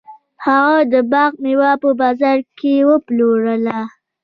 هغه د باغ میوه په بازار کې وپلورله.